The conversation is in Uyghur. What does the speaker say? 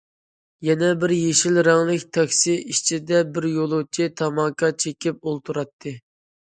يەنە بىر يېشىل رەڭلىك تاكسى ئىچىدە بىر يولۇچى تاماكا چېكىپ ئولتۇراتتى.